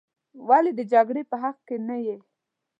ولې د جګړې په حق کې نه یې.